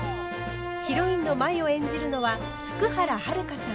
ヒロインの舞を演じるのは福原遥さん。